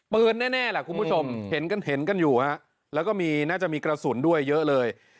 เปิดแน่คุณผู้ชมเห็นกันอยู่แล้วก็มีน่าจะมีกระสุนด้วยเยอะเลย